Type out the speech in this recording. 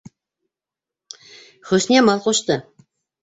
Хөсниямал ҡушты.